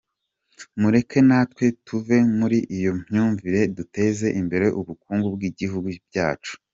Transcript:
Mureke natwe tuve muri iyo myumvire duteze imbere ubukungu bw’ibihugu byacu.